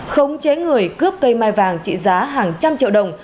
khống chế người cướp cây mai vàng trị giá hàng trăm triệu đồng